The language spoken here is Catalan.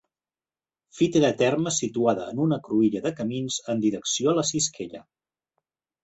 Fita de terme situada en una cruïlla de camins en direcció a la Sisquella.